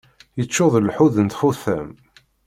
Yeččur d lḥud n txutam.